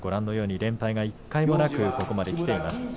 連敗は１敗もなくここまできています。